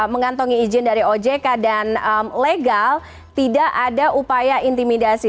mengantongi izin dari ojk dan legal tidak ada upaya intimidasi